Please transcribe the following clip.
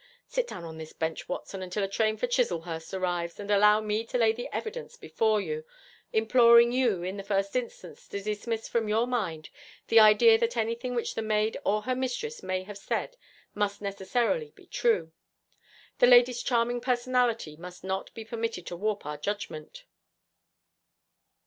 Sit down on this bench, Watson, until a train for Chislehurst arrives, and allow me to lay the evidence before you, imploring you in the first instance to dismiss from your mind the idea that anything which the maid or her mistress may have said must necessarily be true. The lady's charming personality must not be permitted to warp our judgment.